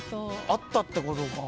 あったってことか。